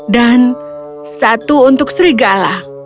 dan satu untuk serigala